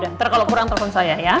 nanti kalau kurang telepon saya ya